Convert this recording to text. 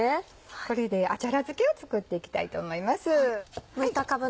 これであちゃら漬けを作っていきたいと思います。